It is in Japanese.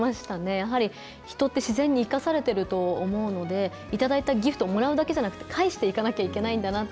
やはり、人って自然に生かされてると思うのでいただいたギフトをもらうだけじゃなくて返していかなきゃいけないんだなって。